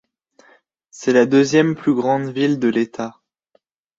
C'est la deuxième plus grande ville de l'état.